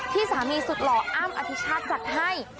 ที่สามีสุดหล่ออ้ำอธิชาติจัดให้